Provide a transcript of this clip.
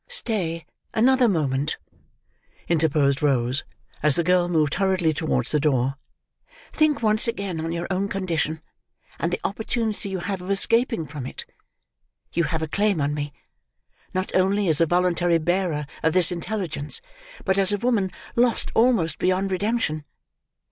"Stay another moment," interposed Rose, as the girl moved hurriedly towards the door. "Think once again on your own condition, and the opportunity you have of escaping from it. You have a claim on me: not only as the voluntary bearer of this intelligence, but as a woman lost almost beyond redemption.